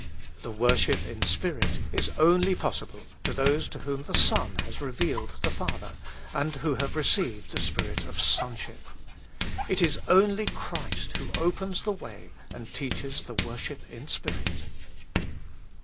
The worship iji spirit is only possi ble to those to whom the Son has revealed the Father, and who have received the spirit of Sonship. It is only Christ who opens the way and teaches the worship in spirit.